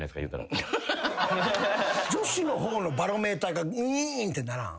女子の方のバロメーターがウイーンってならん？